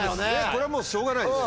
これはしょうがない。